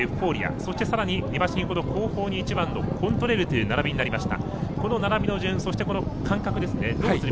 そしてさらに２馬身ほど後方のコントレイルということになりました。